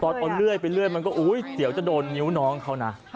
ตอนเอาเลื่อยไปเรื่อยมันก็อุ๊ยเดี๋ยวจะโดนนิ้วน้องเขานะ